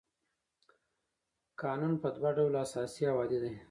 قانون په دوه ډوله اساسي او عادي دی.